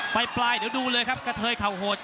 ปลายเดี๋ยวดูเลยครับกระเทยเข่าโหด